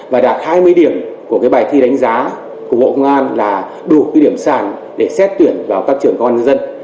và đạt hai mươi điểm của bài thi đánh giá của bộ công an là đủ cái điểm sàn để xét tuyển vào các trường công an nhân dân